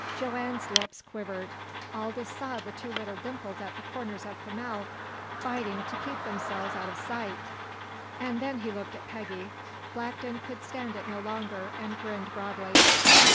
Joanne's lips quivered. Aldous saw the two little dimples at the corners of her mouth fighting to keep themselves out of sight and then he looked at Peggy. Blackton could stand it no longer, and grinned broadly.